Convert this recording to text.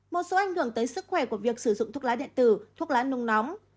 một số ảnh hưởng tới sức khỏe của việc sử dụng thuốc lá điện tử thuốc lá nung nóng